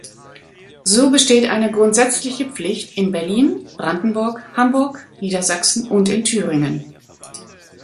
So besteht eine grundsätzliche Pflicht in Berlin, Brandenburg, Hamburg, Niedersachsen und in Thüringen.